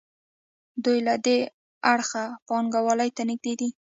دوی له دې اړخه پانګوال ته نږدې دي.